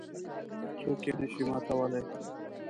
څوک یې نه شي ماتولای.